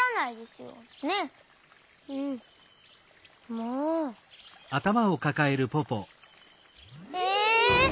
もう！え！？